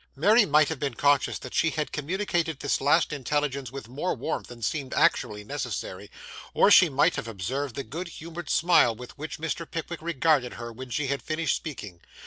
Mary might have been conscious that she had communicated this last intelligence with more warmth than seemed actually necessary, or she might have observed the good humoured smile with which Mr. Pickwick regarded her, when she had finished speaking.